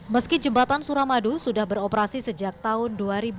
meski jembatan suramadu sudah beroperasi sejak tahun dua ribu dua